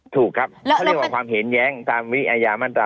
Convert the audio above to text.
ถูกครับเขาเรียกว่าความเห็นแย้งตามวิอาญามาตรา